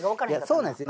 そうなんですよ。